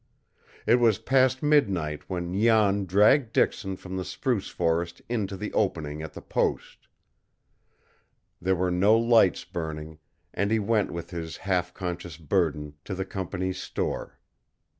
It was past midnight when Jan dragged Dixon from the spruce forest into the opening at the post. There were no lights burning, and he went with his half conscious burden to the company's store.